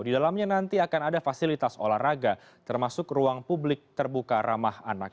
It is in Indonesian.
di dalamnya nanti akan ada fasilitas olahraga termasuk ruang publik terbuka ramah anak